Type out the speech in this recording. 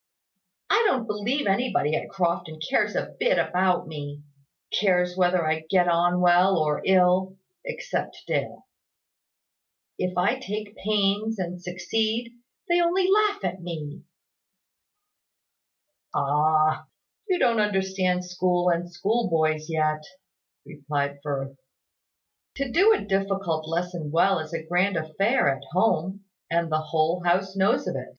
"I don't believe anybody at Crofton cares a bit about me cares whether I get on well or ill except Dale. If I take pains and succeed, they only laugh at me." "Ah! You don't understand school and schoolboys yet," replied Firth. "To do a difficult lesson well is a grand affair at home, and the whole house knows of it.